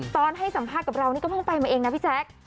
ตอนให้สัมภาษณ์กับเรานี่ก็เพิ่งไปมาเองนะพี่แจ๊ค